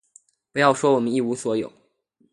不要说我们一无所有，